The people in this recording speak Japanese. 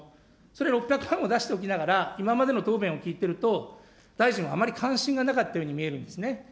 それ６００万も出しておきながら、今までの答弁を聞いていると、大臣はあまり関心がなかったように見えるんですね。